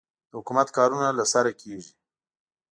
د حکومت کارونه له سره کېږي.